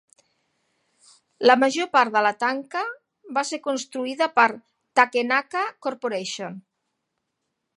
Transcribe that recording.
La major part de la tanca va ser construïda per Takenaka Corporation.